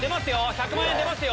１００万円出ますよ。